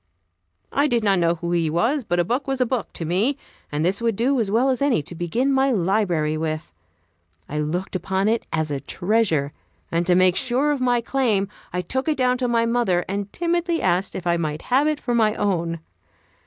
I did not know who he was, but a book was a book to me, and this would do as well as any to begin my library with. I looked upon it as a treasure, and to make sure of my claim, I took it down to my mother and timidly asked if I might have it for my own.